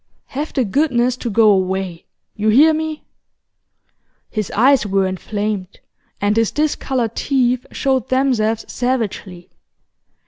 'Have the goodness to go away. You hear me?' His eyes were inflamed, and his discoloured teeth showed themselves savagely.